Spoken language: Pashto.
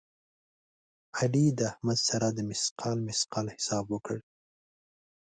علي د احمد سره د مثقال مثقال حساب وکړ.